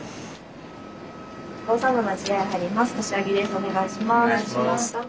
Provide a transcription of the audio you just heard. お願いします。